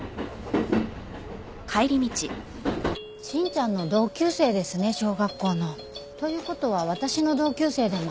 真ちゃんの同級生ですね小学校の。ということは私の同級生でもありますが。